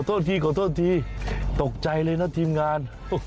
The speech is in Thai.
โทษทีขอโทษทีตกใจเลยนะทีมงาน